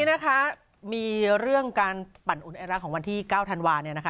นี่นะคะมีเรื่องการปั่นอุ่นไอรักของวันที่๙ธันวาเนี่ยนะคะ